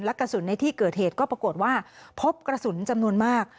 และกระสุนในที่เกิดเหตุก็ปรากฏว่าพบกระสุนจำนวนมาก